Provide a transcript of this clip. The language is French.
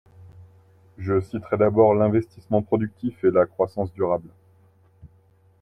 Je citerai, d’abord, l’investissement productif et la croissance durable.